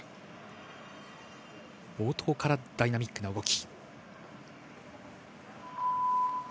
冒頭からダイナミックな動き。